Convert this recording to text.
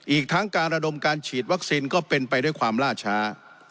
อีกทั้งการระดมการฉีดวัคซีนก็เป็นไปด้วยความล่าช้า